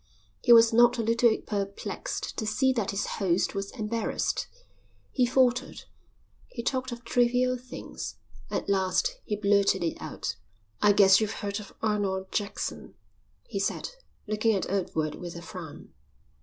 He was not a little perplexed to see that his host was embarrassed. He faltered. He talked of trivial things. At last he blurted it out. "I guess you've heard of Arnold Jackson," he said, looking at Edward with a frown.